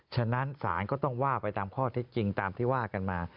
ฉะนั้นศาลก็ต้องว่าไปตามข้อเท็จจริงตามที่ว่ากันมา